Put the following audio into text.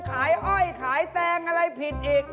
อ้อยขายแตงอะไรผิดอีก